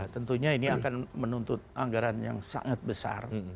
tentunya ini akan menuntut anggaran yang sangat besar